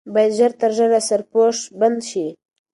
باید ژر تر ژره سرپوش بند شي.